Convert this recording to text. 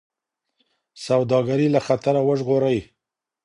سوداګري له خطره وژغوري.